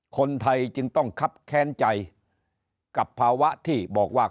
คนไทยจึงต้องคับแค้นใจกับภาวะที่บอกว่า